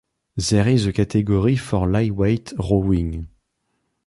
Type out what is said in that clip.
There is a category for lightweight rowing.